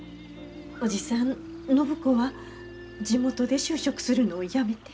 おじさん暢子は地元で就職するのをやめて。